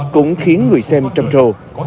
cũng khiến người xem trầm trồ